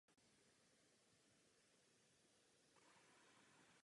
Tam se tito psi hned stali oblíbeným plemenem šlechty.